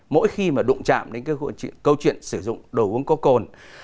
mỗi khi mà đụng chạm đến cái câu chuyện sử dụng đồ uống có cồn